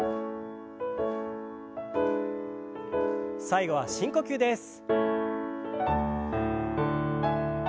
最後は深呼吸です。